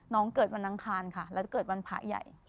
น้องเกิดวันนางคลานค่ะแล้วเกิดวันผาใหญ่